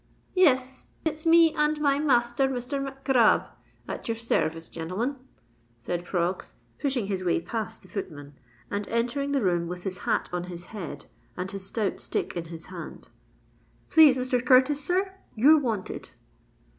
"Yes—it's me and my master, Mr. Mac Grab, at your service, gen'lemen," said Proggs, pushing his way past the footman, and entering the room with his hat on his head and his stout stick in his hand. "Please, Mr. Curtis, sir—you're wanted."